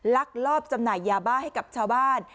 ลักลอบจำหน่ายยาบ้าให้กับชาวบ้าน